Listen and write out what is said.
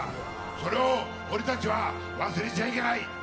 それを俺たちは忘れちゃいけない。